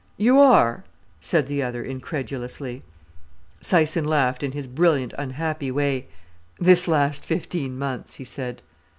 "You are?" said the other incredulously. Syson laughed in his brilliant, unhappy way. "This last fifteen months," he said.